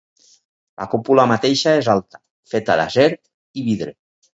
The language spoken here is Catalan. La cúpula mateixa és alta, feta d'acer i vidre.